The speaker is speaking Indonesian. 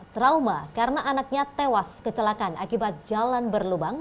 trauma karena anaknya tewas kecelakaan akibat jalan berlubang